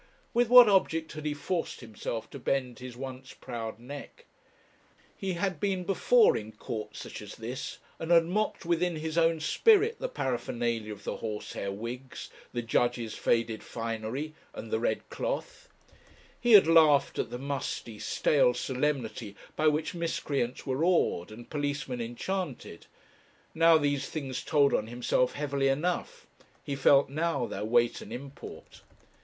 with what object had he forced himself to bend his once proud neck? He had been before in courts such as this, and had mocked within his own spirit the paraphernalia of the horsehair wigs, the judges' faded finery, and the red cloth; he had laughed at the musty, stale solemnity by which miscreants were awed, and policemen enchanted; now, these things told on himself heavily enough; he felt now their weight and import.